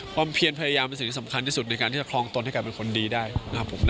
เพียรพยายามเป็นสิ่งที่สำคัญที่สุดในการที่จะครองตนให้กลายเป็นคนดีได้นะครับผม